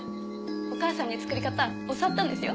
お母さんに作り方教わったんですよ。